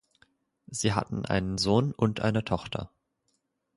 Sie hatten einen Sohn und eine Tochter.